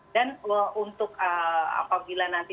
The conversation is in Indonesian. dan untuk apabila nanti